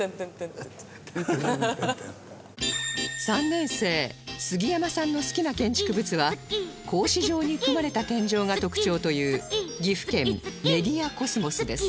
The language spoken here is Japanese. ３年生杉山さんの好きな建築物は格子状に組まれた天井が特徴という岐阜県メディアコスモスです